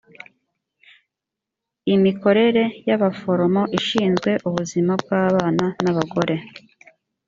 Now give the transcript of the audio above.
imikorere y abaforomo ishinzwe ubuzima bw abana n abagore